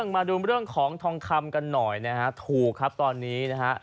มาดูเรื่องของทองคำกันหน่อยนะฮะถูกครับตอนนี้นะฮะ